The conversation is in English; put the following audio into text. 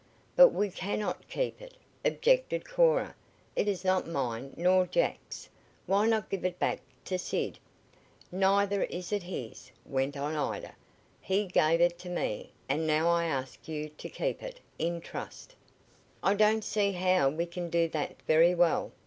"But we cannot keep it," objected Cora. "It is not mine nor Jack's. Why not give it back to Sid?" "Neither is it his," went on Ida. "He gave it to me, and now I ask you to keep it in trust." "I don't see how we can do that very well.